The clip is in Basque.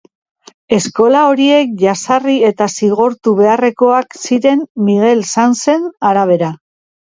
Eskola horiek jazarri eta zigortu beharrekoak ziren Miguel Sanzen arabera.